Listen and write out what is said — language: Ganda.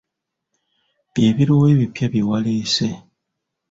Bye biruwa ebipya bye waleese?